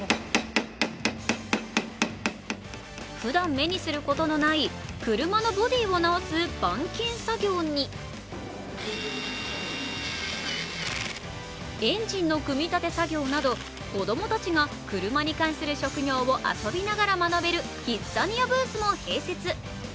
ふだん目にすることのない車のボディーを直す板金作業に、エンジンの組み立て作業など子供たちが車に関する職業を遊びながら学べるキッザニアブースも併設。